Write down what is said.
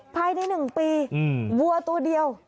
ภายใน๑ปีวัวตัวเดียว